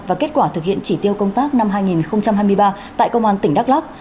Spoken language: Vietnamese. và kết quả thực hiện chỉ tiêu công tác năm hai nghìn hai mươi ba tại công an tỉnh đắk lắc